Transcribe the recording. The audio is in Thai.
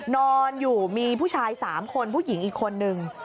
นอนอยู่มีผู้ชาย๓คนผู้หญิงอีกคนนึง